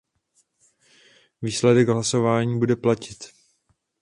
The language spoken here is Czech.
Výsledek hlasování bude platit.